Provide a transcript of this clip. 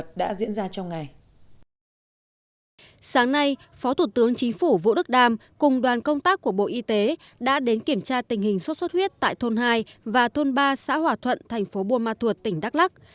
chính phủ vũ đức đam cùng đoàn công tác của bộ y tế đã đến kiểm tra tình hình sốt xuất huyết tại thôn hai và thôn ba xã hòa thuận thành phố buôn ma thuột tỉnh đắk lắc